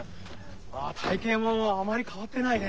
体形もあまり変わってないね。